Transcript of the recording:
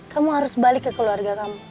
kamu harus balik ke keluarga kamu